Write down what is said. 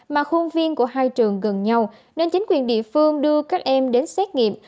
mà khuôn viên của hai trường gần nhau nên chính quyền địa phương đưa các em đến xét nghiệm